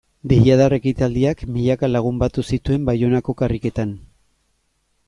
Deiadar ekitaldiak milaka lagun batu zituen Baionako karriketan.